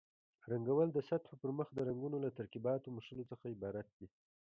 رنګول د سطحو پرمخ د رنګونو له ترکیباتو مښلو څخه عبارت دي.